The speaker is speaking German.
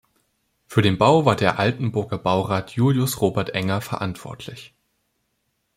Für den Bau war der Altenburger Baurat Julius-Robert Enger verantwortlich.